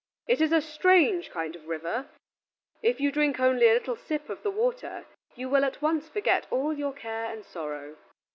"It is a strange kind of river. If you drink only a little sip of the water, you will at once forget all your care and sorrow.